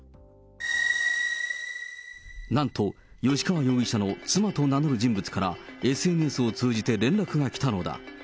なんと、吉川容疑者の妻と名乗る人物から、ＳＮＳを通じて連絡が来たのだ。